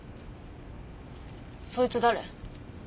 そいつ誰？